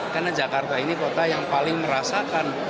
karena jakarta ini kota yang paling merasakan